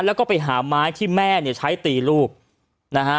แล้วก็ไปหาไม้ที่แม่เนี่ยใช้ตีลูกนะฮะ